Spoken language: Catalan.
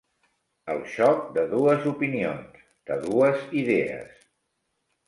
El xoc de dues opinions, de dues idees.